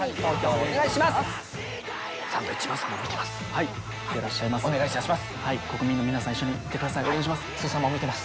お願い致します。